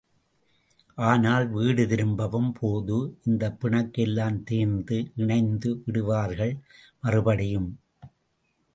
ஆனால், வீடு திரும்பும் போது இந்தப் பிணக்கு எல்லாம் தீர்ந்து இணைந்து விடுவார்கள் மறுபடியும்.